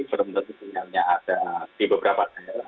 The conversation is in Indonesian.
belum tentu sinyalnya ada di beberapa daerah